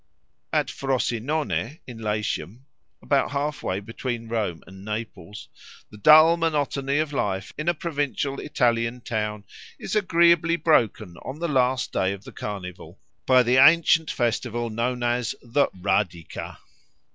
At Frosinone, in Latium, about half way between Rome and Naples, the dull monotony of life in a provincial Italian town is agreeably broken on the last day of the Carnival by the ancient festival known as the _Radica.